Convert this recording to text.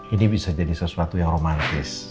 ini bisa jadi sesuatu yang romantis